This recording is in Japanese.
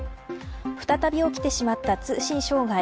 再び起きてしまった通信障害。